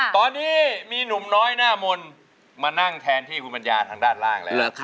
ตอนนี้มีหนุ่มน้อยหน้ามนต์มานั่งแทนที่คุณปัญญาทางด้านล่างแล้ว